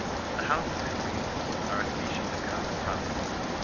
The houses in Greenland are a species of common property.